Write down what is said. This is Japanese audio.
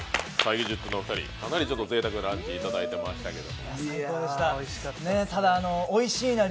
ＥＸＩＴの２人、かなりぜいたくなランチいただいていましたけど？